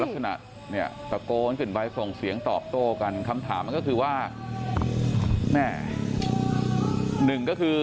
แค่ที่เดี๋ยวที่อายุของพี่ยังคิดใจใดบ้าง